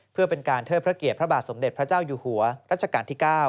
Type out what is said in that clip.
เพื่อเป็นการเทิดพระเกียรติพระบาทสมเด็จพระเจ้าอยู่หัวรัชกาลที่๙